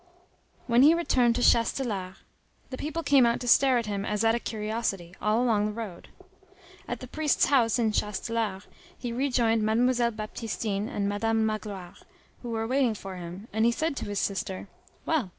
When he returned to Chastelar, the people came out to stare at him as at a curiosity, all along the road. At the priest's house in Chastelar he rejoined Mademoiselle Baptistine and Madame Magloire, who were waiting for him, and he said to his sister: "Well!